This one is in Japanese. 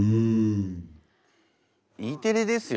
Ｅテレですよ？